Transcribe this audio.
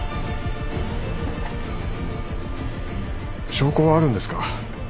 証拠はあるんですか？